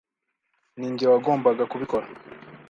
Ninjye wagombaga kubikora.